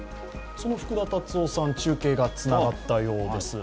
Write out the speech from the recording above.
福田達夫さん、中継がつながったようです。